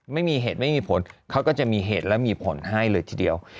ไม่มีเหตุไม่มีผลเขาก็จะมีเหตุและมีผลให้เลยทีเดียว